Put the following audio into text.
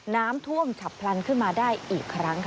น้ำท่วมฉับพลันขึ้นมาได้อีกครั้งค่ะ